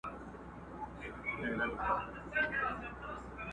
نور به د پانوس له رنګینیه ګیله نه کوم!!